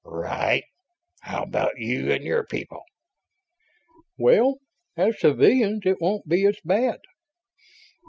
"Right. How about you and your people?" "Well, as civilians, it won't be as bad...."